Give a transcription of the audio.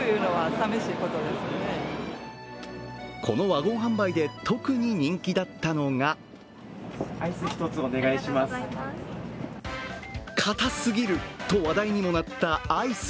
このワゴン販売で特に人気だったのがかたすぎると話題にもなったアイス。